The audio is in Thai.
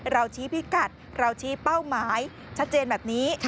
เราชี้พิกัดเราชี้เป้าหมายชัดเจนแบบนี้